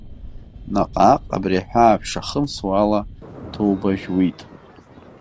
Наҟ-ааҟ абри аҳәаа шәшахымсуа ала ҭоуба жәуит.